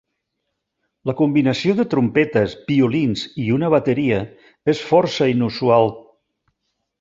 La combinació de trompetes, violins i una bateria és força inusual.